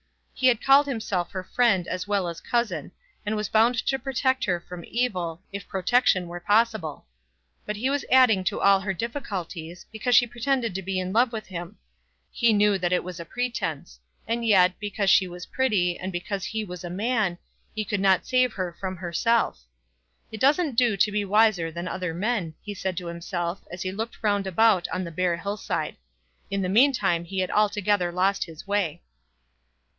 He had called himself her friend as well as cousin, and was bound to protect her from evil, if protection were possible. But he was adding to all her difficulties, because she pretended to be in love with him. He knew that it was pretence; and yet, because she was pretty, and because he was a man, he could not save her from herself. "It doesn't do to be wiser than other men," he said to himself as he looked round about on the bare hill side. In the meantime he had altogether lost his way.